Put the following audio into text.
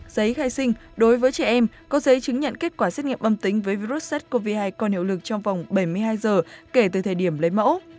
giấy khai sinh đối với trẻ em có giấy chứng nhận kết quả xét nghiệm âm tính với virus sars cov hai còn hiệu lực trong vòng bảy mươi hai giờ kể từ thời điểm lấy mẫu